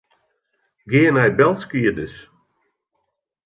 Gean nei belskiednis.